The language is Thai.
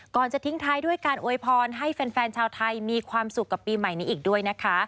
จะทิ้งท้ายด้วยการโวยพรให้แฟนชาวไทยมีความสุขกับปีใหม่นี้อีกด้วยนะคะ